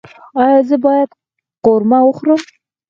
ایا زه باید قورمه وخورم؟